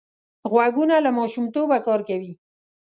غوږونه له ماشومتوبه کار کوي